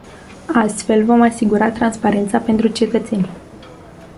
Astfel, vom asigura transparența pentru cetățeni.